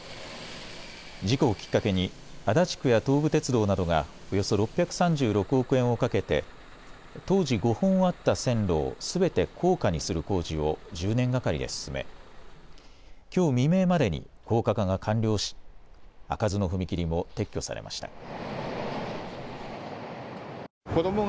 事故をきっかけに足立区や東武鉄道などがおよそ６３６億円をかけて当時５本あった線路をすべて高架にする工事を１０年がかりで進めきょう未明までに高架化が完了し開かずの踏切も、撤去されました。